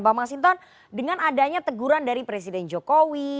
bang masinton dengan adanya teguran dari presiden jokowi